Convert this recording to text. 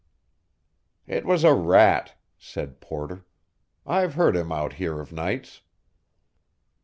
"It was a rat," said Porter. "I've heard 'em out here of nights."